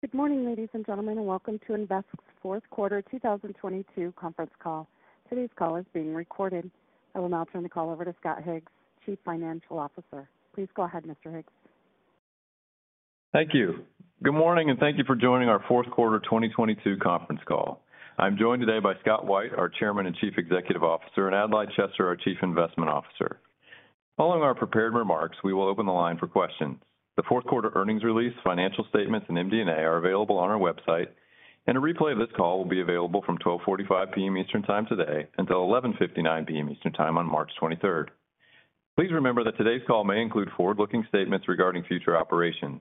Good morning, ladies and gentlemen, and welcome to Invesque's Q4 2022 conference call. Today's call is being recorded. I will now turn the call over to Scott Higgs, Chief Financial Officer. Please go ahead, Mr. Higgs. Thank you. Good morning, and thank you for joining our 4th quarter 2022 conference call. I'm joined today by Scott White, our Chairman and Chief Executive Officer, and Adlai Chester, our Chief Investment Officer. Following our prepared remarks, we will open the line for questions. The 4th quarter earnings release, financial statements, and MD&A are available on our website, and a replay of this call will be available from 12:45 P.M. Eastern Time today until 11:59 P.M. Eastern Time on March 23rd. Please remember that today's call may include forward-looking statements regarding future operations.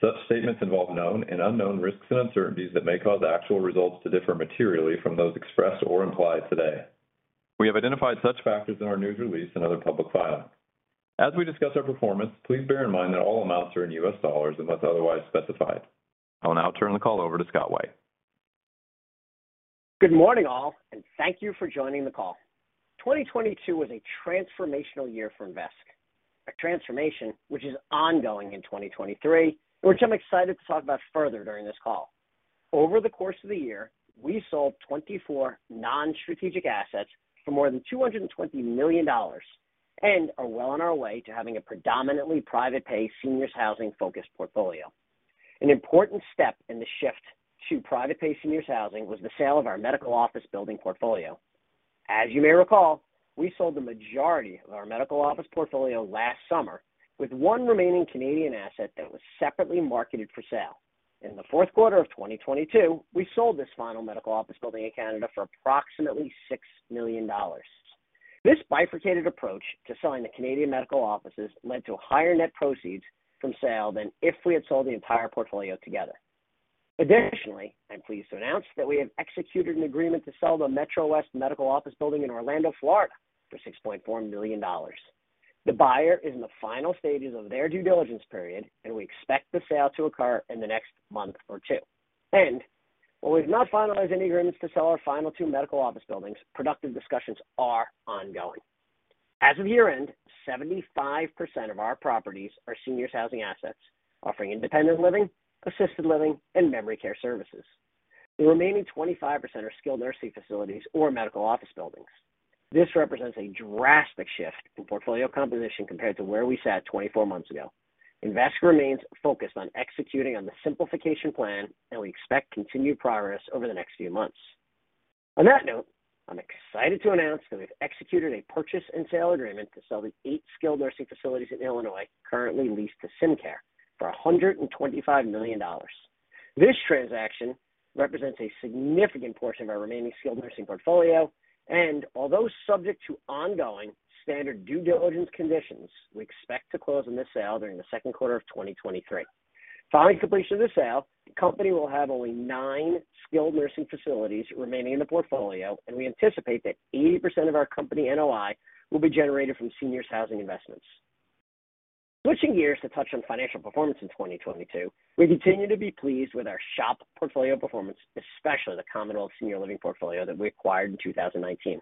Such statements involve known and unknown risks and uncertainties that may cause actual results to differ materially from those expressed or implied today. We have identified such factors in our news release and other public filings. As we discuss our performance, please bear in mind that all amounts are in U.S. dollars unless otherwise specified. I'll now turn the call over to Scott White. Good morning, all, and thank you for joining the call. 2022 was a transformational year for Invesque. A transformation which is ongoing in 2023, which I'm excited to talk about further during this call. Over the course of the year, we sold 24 non-strategic assets for more than $220 million and are well on our way to having a predominantly private pay seniors housing focused portfolio. An important step in the shift to private pay seniors housing was the sale of our medical office building portfolio. As you may recall, we sold the majority of our medical office portfolio last summer with one remaining Canadian asset that was separately marketed for sale. In the Q4 of 2022, we sold this final medical office building in Canada for approximately 6 million dollars. This bifurcated approach to selling the Canadian medical offices led to higher net proceeds from sale than if we had sold the entire portfolio together. Additionally, I'm pleased to announce that we have executed an agreement to sell the MetroWest Medical Center in Orlando, Florida for $6.4 million. The buyer is in the final stages of their due diligence period. We expect the sale to occur in the next month or 2. While we've not finalized any agreements to sell our final 2 medical office buildings, productive discussions are ongoing. As of year-end, 75% of our properties are seniors housing assets offering independent living, assisted living, and memory care services. The remaining 25% are skilled nursing facilities or medical office buildings. This represents a drastic shift in portfolio composition compared to where we sat 24 months ago. Invesque remains focused on executing on the simplification plan. We expect continued progress over the next few months. On that note, I'm excited to announce that we've executed a purchase and sale agreement to sell the 8 skilled nursing facilities in Illinois currently leased to SymCare for $125 million. This transaction represents a significant portion of our remaining skilled nursing portfolio. Although subject to ongoing standard due diligence conditions, we expect to close on the sale during the Q2 of 2023. Following completion of the sale, the company will have only 9 skilled nursing facilities remaining in the portfolio. We anticipate that 80% of our company NOI will be generated from seniors housing investments. Switching gears to touch on financial performance in 2022, we continue to be pleased with our SHOP portfolio performance, especially the Commonwealth Senior Living portfolio that we acquired in 2019.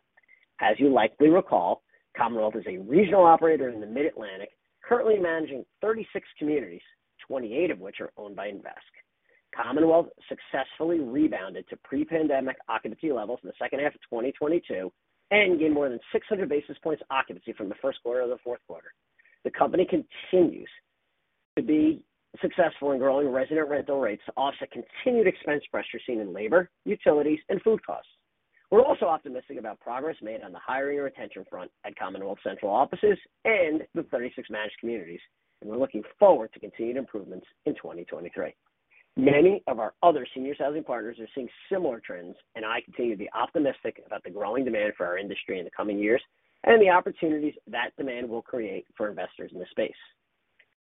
As you likely recall, Commonwealth is a regional operator in the Mid-Atlantic, currently managing 36 communities, 28 of which are owned by Invesque. Commonwealth successfully rebounded to pre-pandemic occupancy levels in the H2 of 2022 and gained more than 600 basis points occupancy from the Q1 to the Q4. The company continues to be successful in growing resident rental rates to offset continued expense pressure seen in labor, utilities, and food costs. We're also optimistic about progress made on the hiring retention front at Commonwealth central offices and the 36 managed communities, and we're looking forward to continued improvements in 2023. Many of our other senior housing partners are seeing similar trends, and I continue to be optimistic about the growing demand for our industry in the coming years and the opportunities that demand will create for investors in this space.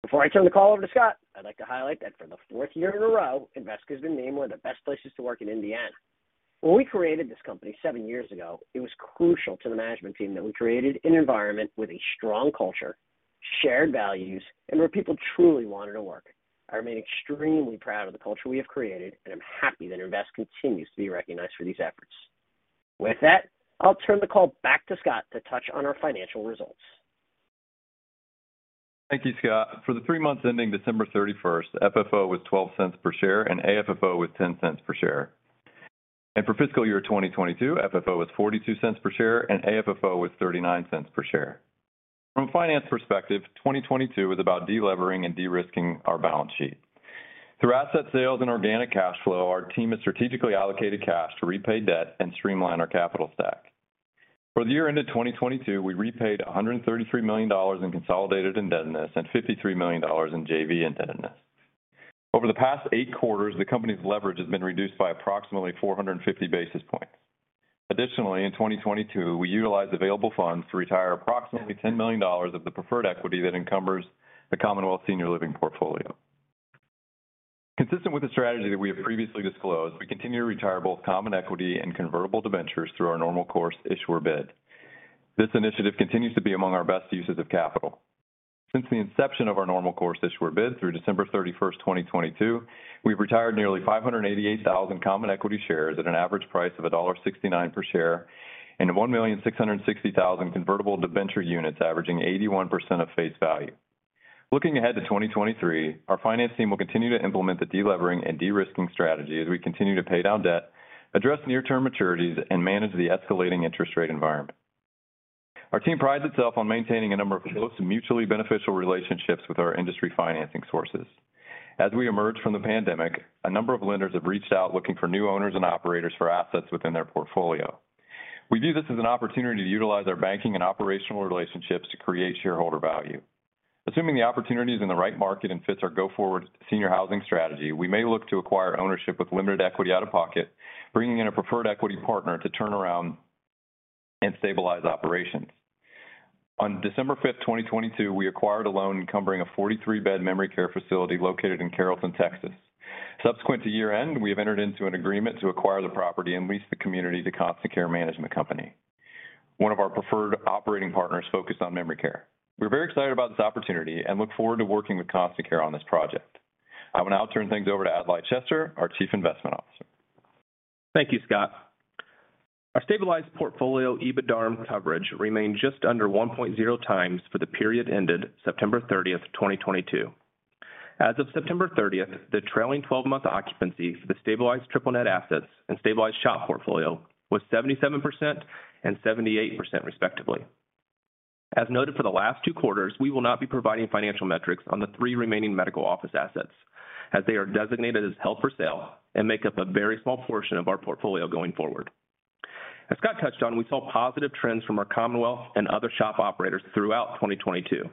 Before I turn the call over to Scott, I'd like to highlight that for the fourth year in a row, Invesque has been named one of the best places to work in Indiana. When we created this company seven years ago, it was crucial to the management team that we created an environment with a strong culture, shared values, and where people truly wanted to work. I remain extremely proud of the culture we have created, and I'm happy that Invesque continues to be recognized for these efforts. With that, I'll turn the call back to Scott to touch on our financial results. Thank you, Scott. For the 3 months ending December 31st, FFO was $0.12 per share and AFFO was $0.10 per share. For fiscal year 2022, FFO was $0.42 per share and AFFO was $0.39 per share. From a finance perspective, 2022 was about delevering and de-risking our balance sheet. Through asset sales and organic cash flow, our team has strategically allocated cash to repay debt and streamline our capital stack. For the year ended 2022, we repaid $133 million in consolidated indebtedness and $53 million in JV indebtedness. Over the past 8 quarters, the company's leverage has been reduced by approximately 450 basis points. Additionally, in 2022, we utilized available funds to retire approximately $10 million of the preferred equity that encumbers the Commonwealth Senior Living portfolio. Consistent with the strategy that we have previously disclosed, we continue to retire both common equity and convertible debentures through our normal course issuer bid. This initiative continues to be among our best uses of capital. Since the inception of our normal course issuer bid through December 31, 2022, we've retired nearly 588,000 common equity shares at an average price of $1.69 per share and 1,660,000 convertible debenture units averaging 81% of face value. Looking ahead to 2023, our finance team will continue to implement the delevering and de-risking strategy as we continue to pay down debt, address near-term maturities, and manage the escalating interest rate environment. Our team prides itself on maintaining a number of close mutually beneficial relationships with our industry financing sources. As we emerge from the pandemic, a number of lenders have reached out looking for new owners and operators for assets within their portfolio. We view this as an opportunity to utilize our banking and operational relationships to create shareholder value. Assuming the opportunity is in the right market and fits our go-forward senior housing strategy, we may look to acquire ownership with limited equity out of pocket, bringing in a preferred equity partner to turn around and stabilize operations. On December 5, 2022, we acquired a loan encumbering a 43 bed memory care facility located in Carrollton, Texas. Subsequent to year-end, we have entered into an agreement to acquire the property and lease the community to Constant Care Management Company, one of our preferred operating partners focused on memory care. We're very excited about this opportunity and look forward to working with Constant Care on this project. I will now turn things over to Adlai Chester, our Chief Investment Officer. Thank you, Scott. Our stabilized portfolio EBITDARM coverage remained just under 1.0 times for the period ended September 30, 2022. As of September 30, the trailing 12-month occupancy for the stabilized triple net assets and stabilized SHOP portfolio was 77% and 78%, respectively. As noted for the last two quarters, we will not be providing financial metrics on the three remaining medical office assets as they are designated as held for sale and make up a very small portion of our portfolio going forward. As Scott touched on, we saw positive trends from our Commonwealth and other SHOP operators throughout 2022.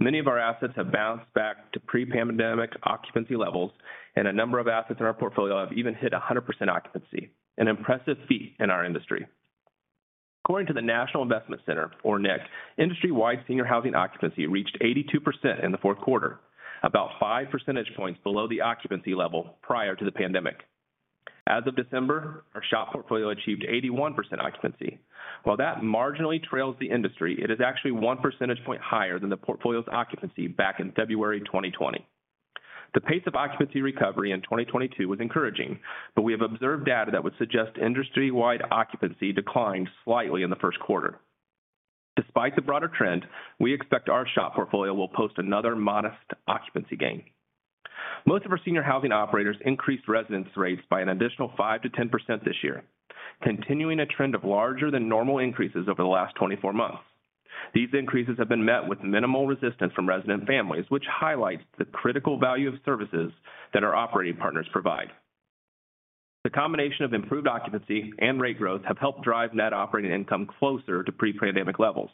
Many of our assets have bounced back to pre-pandemic occupancy levels, and a number of assets in our portfolio have even hit 100% occupancy, an impressive feat in our industry. According to the National Investment Center, or NIC, industry-wide senior housing occupancy reached 82% in the Q4, about 5 percentage points below the occupancy level prior to the pandemic. As of December, our SHOP portfolio achieved 81% occupancy. While that marginally trails the industry, it is actually 1 percentage point higher than the portfolio's occupancy back in February 2020. The pace of occupancy recovery in 2022 was encouraging, but we have observed data that would suggest industry-wide occupancy declined slightly in the Q1. Despite the broader trend, we expect our SHOP portfolio will post another modest occupancy gain. Most of our senior housing operators increased residence rates by an additional 5%-10% this year, continuing a trend of larger than normal increases over the last 24 months. These increases have been met with minimal resistance from resident families, which highlights the critical value of services that our operating partners provide. The combination of improved occupancy and rate growth have helped drive Net Operating Income closer to pre-pandemic levels.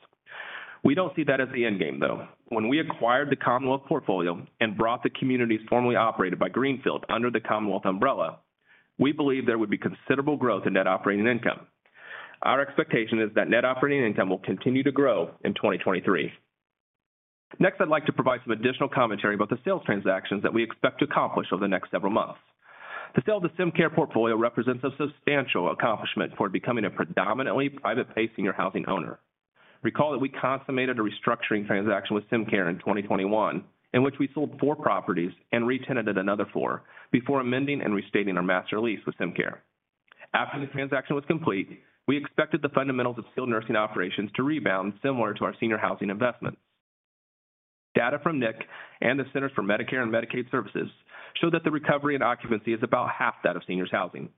We don't see that as the end game, though. When we acquired the Commonwealth portfolio and brought the communities formerly operated by Greenfield under the Commonwealth umbrella, we believe there would be considerable growth in Net Operating Income. Our expectation is that Net Operating Income will continue to grow in 2023. I'd like to provide some additional commentary about the sales transactions that we expect to accomplish over the next several months. The sale of the SymCare portfolio represents a substantial accomplishment for becoming a predominantly private pacing or housing owner. Recall that we consummated a restructuring transaction with SymCare in 2021, in which we sold four properties and re-tenanted another four before amending and restating our master lease with SymCare. After the transaction was complete, we expected the fundamentals of skilled nursing operations to rebound similar to our senior housing investments. Data from NIC and the Centers for Medicare & Medicaid Services show that the recovery in occupancy is about half that of seniors housing.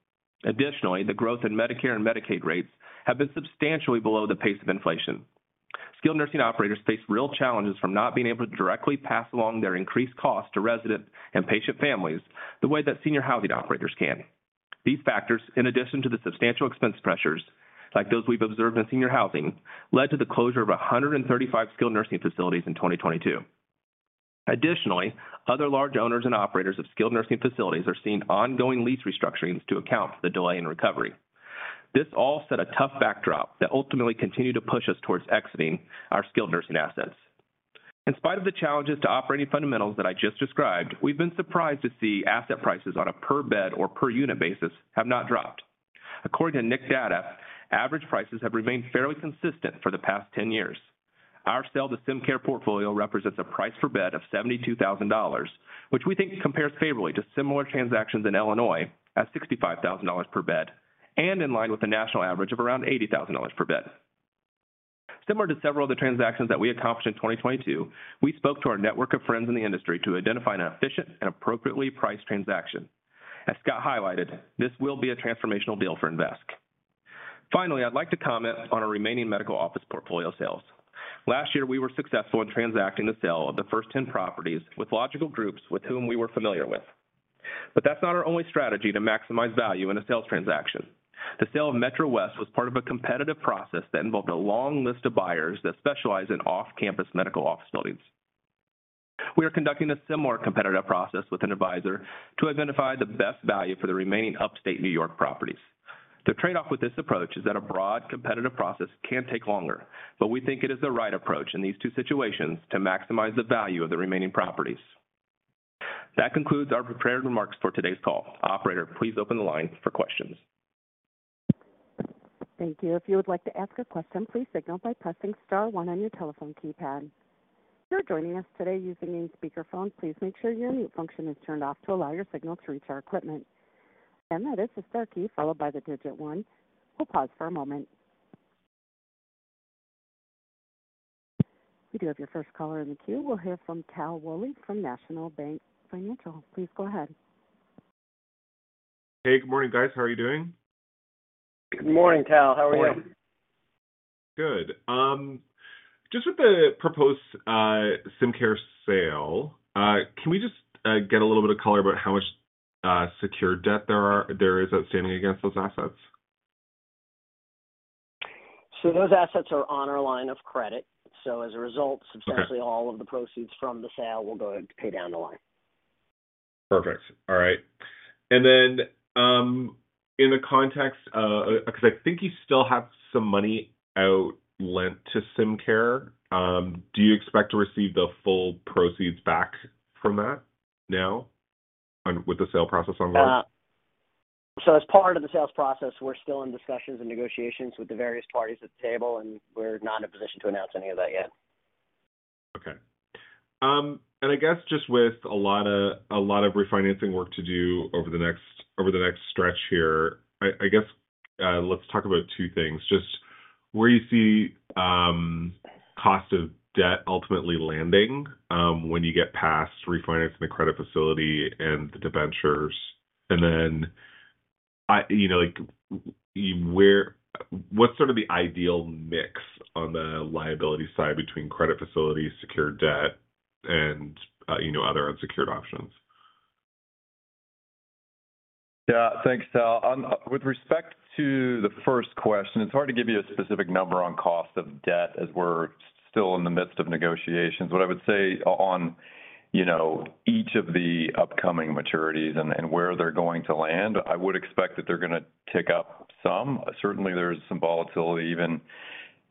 Additionally, the growth in Medicare and Medicaid rates have been substantially below the pace of inflation. Skilled nursing operators face real challenges from not being able to directly pass along their increased cost to resident and patient families the way that senior housing operators can. These factors, in addition to the substantial expense pressures, like those we've observed in senior housing, led to the closure of 135 skilled nursing facilities in 2022. Additionally, other large owners and operators of skilled nursing facilities are seeing ongoing lease restructurings to account for the delay in recovery. This all set a tough backdrop that ultimately continued to push us towards exiting our skilled nursing assets. In spite of the challenges to operating fundamentals that I just described, we've been surprised to see asset prices on a per bed or per unit basis have not dropped. According to NIC data, average prices have remained fairly consistent for the past 10 years. Our sale to SymCare portfolio represents a price per bed of $72,000, which we think compares favorably to similar transactions in Illinois at $65,000 per bed and in line with the national average of around $80,000 per bed. Similar to several of the transactions that we accomplished in 2022, we spoke to our network of friends in the industry to identify an efficient and appropriately priced transaction. As Scott highlighted, this will be a transformational deal for Invesque. Finally, I'd like to comment on our remaining medical office portfolio sales. Last year, we were successful in transacting the sale of the first 10 properties with logical groups with whom we were familiar with. That's not our only strategy to maximize value in a sales transaction. The sale of MetroWest was part of a competitive process that involved a long list of buyers that specialize in off-campus medical office buildings. We are conducting a similar competitive process with an advisor to identify the best value for the remaining upstate New York properties. The trade-off with this approach is that a broad competitive process can take longer, but we think it is the right approach in these two situations to maximize the value of the remaining properties. That concludes our prepared remarks for today's call. Operator, please open the line for questions. Thank you. If you would like to ask a question, please signal by pressing star one on your telephone keypad. If you're joining us today using a speakerphone, please make sure your mute function is turned off to allow your signal to reach our equipment. Again, that is the star key followed by the digit one. We'll pause for a moment. We do have your first caller in the queue. We'll hear from Tal Woolley from National Bank Financial. Please go ahead. Hey, good morning, guys. How are you doing? Good morning, Tal. How are you? Good. Just with the proposed SymCare sale, can we just get a little bit of color about how much secured debt there is outstanding against those assets? Those assets are on our line of credit. As a result- Okay. Substantially all of the proceeds from the sale will go to pay down the line. Perfect. All right. In the context, 'cause I think you still have some money out lent to SymCare, do you expect to receive the full proceeds back from that now and with the sale process ongoing? As part of the sales process, we're still in discussions and negotiations with the various parties at the table, and we're not in a position to announce any of that yet. Okay. I guess just with a lot, a lot of refinancing work to do over the next, over the next stretch here, I guess, let's talk about two things. Just where you see cost of debt ultimately landing when you get past refinancing the credit facility and the debentures. Then, you know, like, what's sort of the ideal mix on the liability side between credit facility, secured debt, and, you know, other unsecured options? Yeah. Thanks, Tal. With respect to the first question, it's hard to give you a specific number on cost of debt as we're still in the midst of negotiations. What I would say, you know, each of the upcoming maturities and where they're going to land, I would expect that they're gonna tick up some. Certainly there's some volatility even,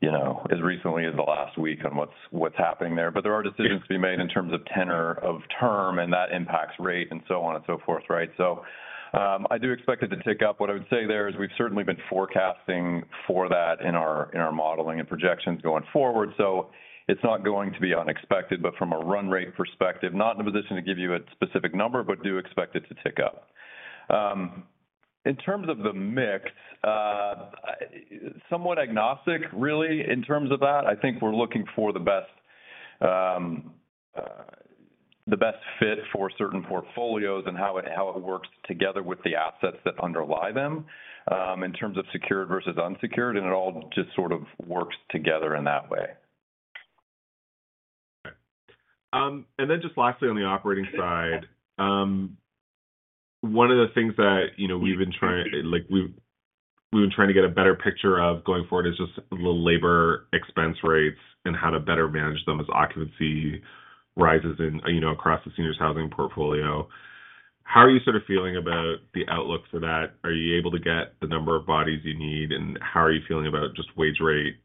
you know, as recently as the last week on what's happening there. There are decisions to be made in terms of tenor of term, and that impacts rate and so on and so forth, right? I do expect it to tick up. What I would say there is we've certainly been forecasting for that in our, in our modeling and projections going forward, so it's not going to be unexpected. From a run rate perspective, not in a position to give you a specific number, but do expect it to tick up. In terms of the mix, somewhat agnostic really in terms of that. I think we're looking for the best, the best fit for certain portfolios and how it works together with the assets that underlie them, in terms of secured versus unsecured. It all just sort of works together in that way. Then just lastly on the operating side, one of the things that, you know, we've been trying to get a better picture of going forward is just the labor expense rates and how to better manage them as occupancy rises in, you know, across the seniors housing portfolio. How are you sort of feeling about the outlook for that? Are you able to get the number of bodies you need, and how are you feeling about just wage rate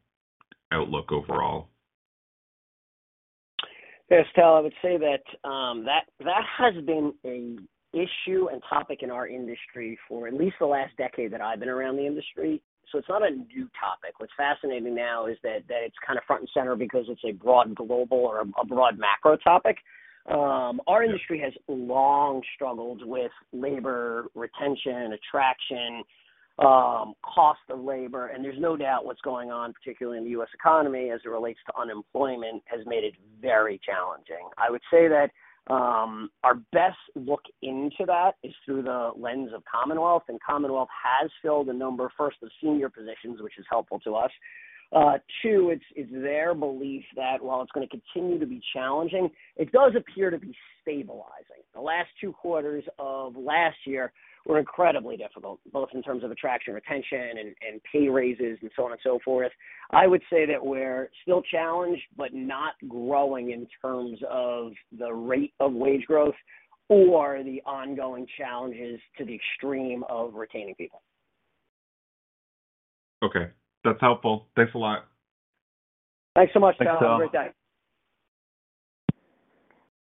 outlook overall? Yes, Tal. I would say that has been an issue and topic in our industry for at least the last decade that I've been around the industry. It's not a new topic. What's fascinating now is that it's kind of front and center because it's a broad global or a broad macro topic. Our industry has long struggled with labor retention, attraction, cost of labor. There's no doubt what's going on, particularly in the U.S. economy as it relates to unemployment, has made it very challenging. I would say that our best look into that is through the lens of Commonwealth. Commonwealth has filled a number, first, the senior positions, which is helpful to us. Two, it's their belief that while it's gonna continue to be challenging, it does appear to be stabilizing. The last two quarters of last year were incredibly difficult, both in terms of attraction, retention and pay raises and so on and so forth. I would say that we're still challenged, but not growing in terms of the rate of wage growth or the ongoing challenges to the extreme of retaining people. Okay. That's helpful. Thanks a lot. Thanks so much, Tal.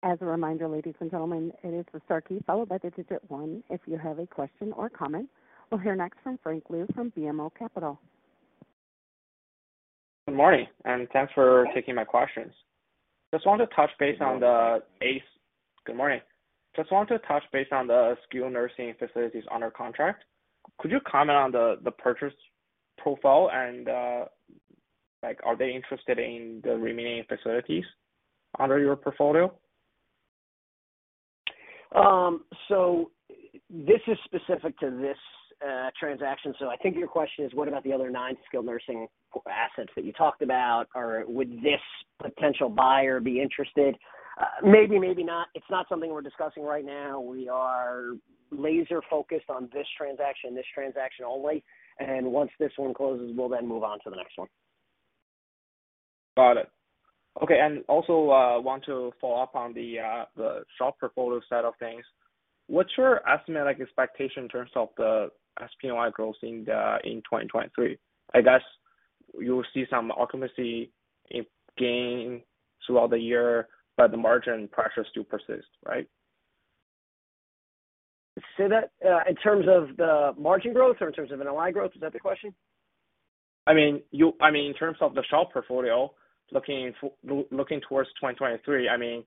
Thanks, Tal. Have a great day. As a reminder, ladies and gentlemen, it is the star key followed by the digit one if you have a question or comment. We'll hear next from Frank Liu from BMO Capital. Good morning, and thanks for taking my questions. Just wanted to touch base on the ACE. Good morning. Just wanted to touch base on the skilled nursing facilities under contract. Could you comment on the purchase profile and, like, are they interested in the remaining facilities under your portfolio? This is specific to this transaction, so I think your question is what about the other nine skilled nursing assets that you talked about, or would this potential buyer be interested? Maybe, maybe not. It's not something we're discussing right now. We are laser focused on this transaction, this transaction only, and once this one closes, we'll then move on to the next one. Got it. Okay. Also, want to follow up on the SHOP portfolio side of things. What's your estimate, like expectation in terms of the SHOP NOI growth in 2023? I guess you'll see some occupancy gain throughout the year, but the margin pressures do persist, right? Say that, in terms of the margin growth or in terms of NOI growth, is that the question? I mean, in terms of the SHOP portfolio, looking for looking towards 2023, I mean,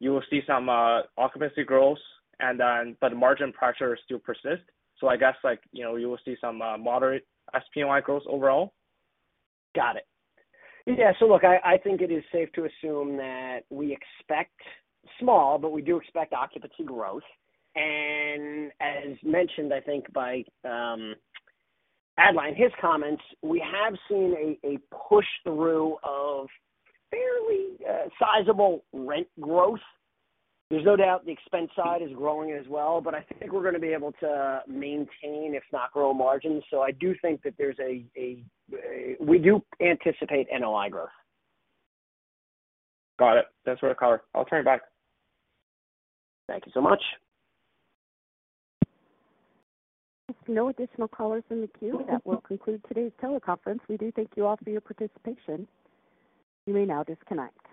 you will see some occupancy growth and, but margin pressures still persist. I guess, like, you know, you will see some moderate SHOP NOI growth overall. Got it. Yeah. Look, I think it is safe to assume that we expect small, but we do expect occupancy growth. As mentioned, I think by, Adlai Chester, his comments, we have seen a push-through of fairly sizable rent growth. There's no doubt the expense side is growing as well, but I think we're gonna be able to maintain, if not grow margins. I do think that there's a, we do anticipate NOI growth. Got it. That's what I cover. I'll turn it back. Thank you so much. If no additional callers in the queue, that will conclude today's teleconference. We do thank you all for your participation. You may now disconnect.